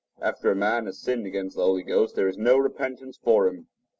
After a man has sinned against the Holy Ghost, there is no repentance for him.